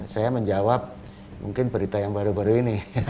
saya menjawab mungkin berita yang baru baru ini